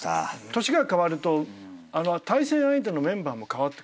年が変わると対戦相手のメンバーもかわってくるし